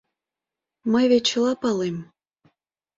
Мый вет чыла палем...